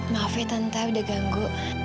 maaf ya tante udah ganggu